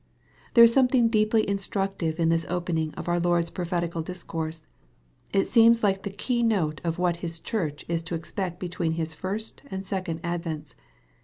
There is something deeply instructive in this opening of our Lord's prophetical discourse. It seems like the key note of what His Church is to expect between His first and second advents.